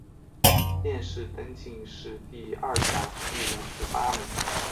殿试登进士第二甲第五十八名。